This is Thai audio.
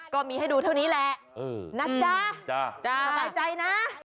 ก็มีให้ดูเท่านี้แหละนะจ๊ะสบายใจนะ